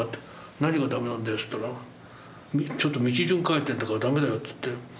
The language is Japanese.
「何がダメなんだよ」って言ったら「ちょっと道順描いてんだからダメだよ」って言って。